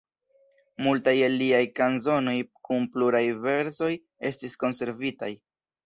Multaj el liaj kanzonoj kun pluraj versoj estis konservitaj.